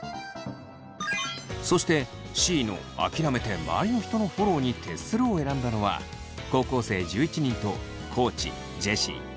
そしてＣの「あきらめて周りの人のフォローに徹する」を選んだのは高校生１１人と地ジェシー大我北斗の４人。